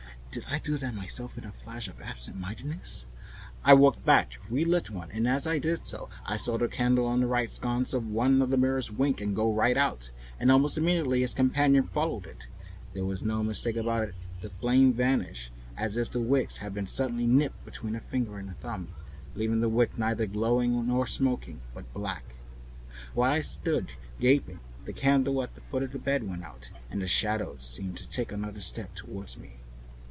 "Did I do that myself in a flash of absent mindedness?" I walked back, relit one, and as I did so I saw the candle in the right sconce of one of the mirrors wink and go right out, and almost immediately its companion followed it. The flames vanished as if the wick had been suddenly nipped between a finger and thumb, leaving the wick neither glowing nor smoking, but black. While I stood gaping the candle at the foot of the bed went out, and the shadows seemed to take another step toward me.